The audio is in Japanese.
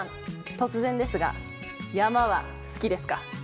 突然ですが山は好きですか？